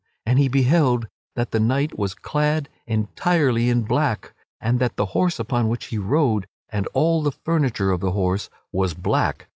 And he beheld that the knight was clad entirely in black, and that the horse upon which he rode and all the furniture of the horse was black.